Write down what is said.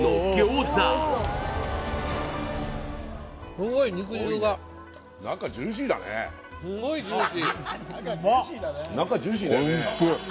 すごいジューシーうまっ